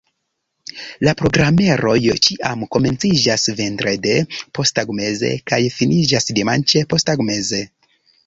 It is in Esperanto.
La programeroj ĉiam komenciĝas vendrede posttagmeze kaj finiĝas dimanĉe posttagmeze.